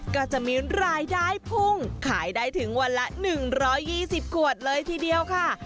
ก็จะมีรายได้พุ่งขายได้ถึงวันละ๑๒๐ขวดเลยทีเดียวค่ะ